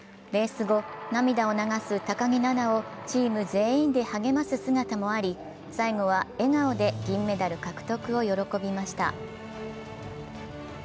レース後、涙を流す高木菜那をチーム全員で励ます姿もあり、最後は笑顔で銀メダル獲得を喜びました。